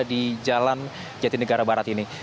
di jalan jatinegara barat ini